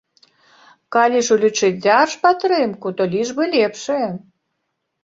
Калі ж улічыць дзяржпадтрымку, то лічбы лепшыя.